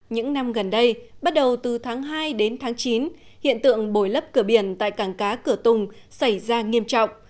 những năm gần đây bắt đầu từ tháng hai đến tháng chín hiện tượng bồi lấp cửa biển tại cảng cá cửa tùng xảy ra nghiêm trọng